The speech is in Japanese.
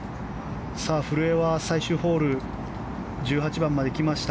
古江は、最終ホール１８番まで来ました。